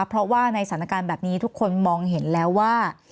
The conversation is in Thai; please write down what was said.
เพราะว่าในสถานการณ์แบบนี้ทุกคนมองเห็นแล้วว่า